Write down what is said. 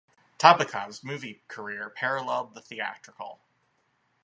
Tabakov's movie career paralleled the theatrical.